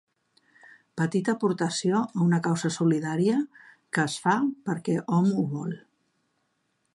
Petita aportació a una causa solidària que es fa perquè hom ho vol.